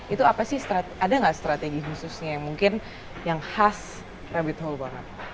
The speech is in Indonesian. itu apa sih ada nggak strategi khususnya yang mungkin yang khas rabbit whole banget